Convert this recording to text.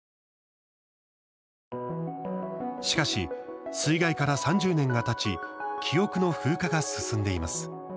しかし、水害から３０年がたち記憶の風化が進んでいます。